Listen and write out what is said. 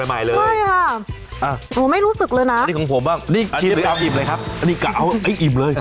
ไม่ค่ะอันนี้ผมไม่รู้สึกเลยนะอันนี้ชิมหรือไอ้ไอฟเลยครับอันนี้ไกลก็อ้าวไอ้ไอฟเลย